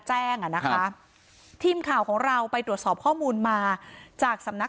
อ่ะนะคะทีมข่าวของเราไปตรวจสอบข้อมูลมาจากสำนัก